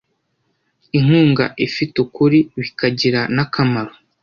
inkunga ifite ukuri bikagira n akamaro